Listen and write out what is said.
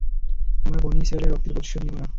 আমরা বনী ইসরাঈলের রক্তের প্রতিশোধ নিব না।